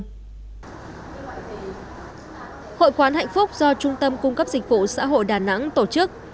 hội quán hạnh phúc do trung tâm cung cấp dịch vụ xã hội đà nẵng tổ chức